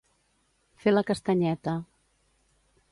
Fer la castanyeta.